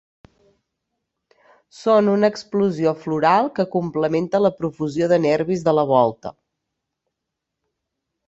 Són una explosió floral que complementa la profusió de nervis de la volta.